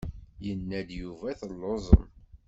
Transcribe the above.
Yenna-d Yuba telluẓem.